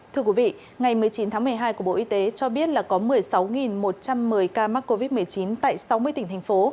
thưa quý vị ngày một mươi chín tháng một mươi hai của bộ y tế cho biết là có một mươi sáu một trăm một mươi ca mắc covid một mươi chín tại sáu mươi tỉnh thành phố